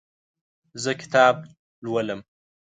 زه کتاب لولم.